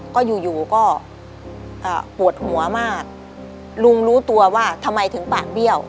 ก็อยู่อยู่ก็ปวดหัวมากลุงรู้ตัวว่าทำไมถึงปากเบี้ยว